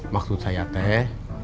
maksud saya teh